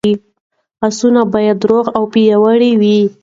اسونه باید روغ او پیاوړي وي.